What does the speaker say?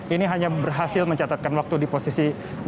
ini hanya berhasil mencatatkan waktu di posisi enam